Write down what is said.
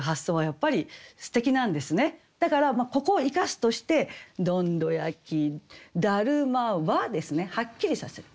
だからここを生かすとして「どんど焼き達磨は」ですね。はっきりさせる。